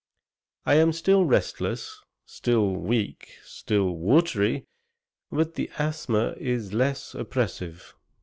I am still restless, still weak, still watery, but the asthma is less oppressive.